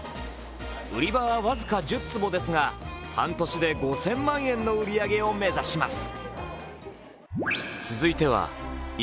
売り場は僅か１０坪ですが半年で５０００万円の売り上げを目指します。